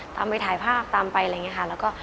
ตามไปถ่ายภาพตามไปอะไรอย่างนี้ค่ะแล้วก็